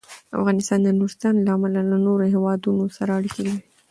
افغانستان د نورستان له امله له نورو هېوادونو سره اړیکې لري.